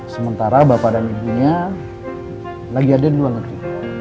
sementara bapak dan ibunya lagi ada di luar negeri